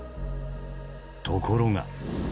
ところが。